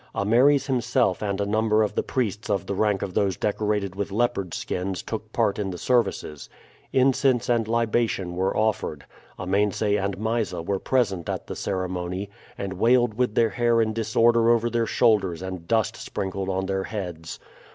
Ameres himself and a number of the priests of the rank of those decorated with leopard skins took part of the services. Incense and libation were offered. Amense and Mysa were present at the ceremony, and wailed with their hair in disorder over their shoulders and dust sprinkled on their heads.